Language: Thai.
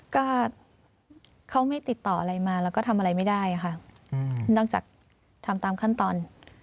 ก็เขาไม่ติดต่ออะไรมาแล้วก็ทำอะไรไม่ได้ค่ะนอกจากทำตามขั้นตอน